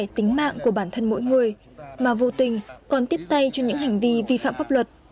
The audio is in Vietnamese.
tính mạng của bản thân mỗi người mà vô tình còn tiếp tay cho những hành vi vi phạm pháp luật